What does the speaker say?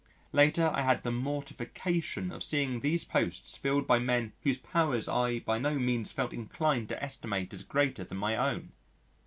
Later, I had the mortification of seeing these posts filled by men whose powers I by no means felt inclined to estimate as greater than my own.